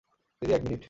দিদি, এক মিনিট!